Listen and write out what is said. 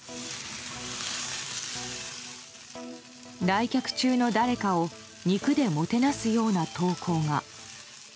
来客中の誰かを肉でもてなすような投稿が。